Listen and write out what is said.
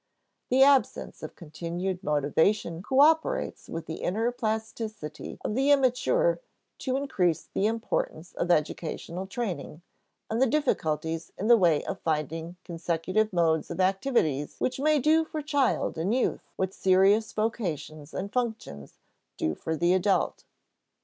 The absence of continued motivation coöperates with the inner plasticity of the immature to increase the importance of educational training and the difficulties in the way of finding consecutive modes of activities which may do for child and youth what serious vocations and functions do for the adult.